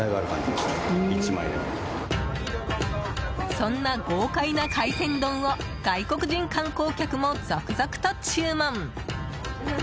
そんな豪快な海鮮丼を外国人観光客も続々と注文。